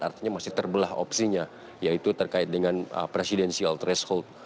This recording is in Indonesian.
artinya masih terbelah opsinya yaitu terkait dengan presidensial threshold